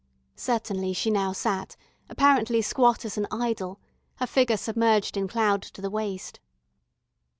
Certainly she now sat, apparently squat as an idol, her figure submerged in cloud to the waist.